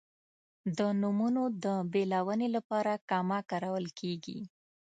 د نومونو د بېلونې لپاره کامه کارول کیږي.